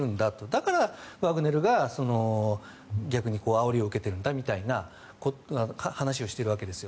だから、ワグネルが逆にあおりを受けてるんだみたいな話をしてるわけです。